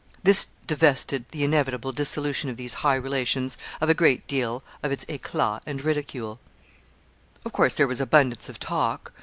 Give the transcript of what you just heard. This divested the inevitable dissolution of these high relations of a great deal of its éclat and ridicule. Of course there was abundance of talk.